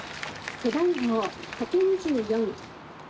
背番号１２４」